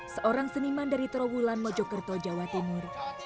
seorang seniman dari trawulan mojokerto jawa timur